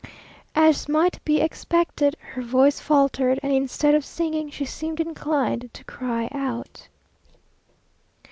As might be expected, her voice faltered, and instead of singing, she seemed inclined to cry out.